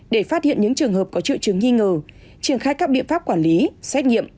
để phát hiện những trường hợp có triệu chứng nghi ngờ triển khai các biện pháp quản lý xét nghiệm